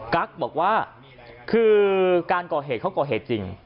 กั๊กบอกว่าคือการก่อเหตุเขาก่อเหตุจริง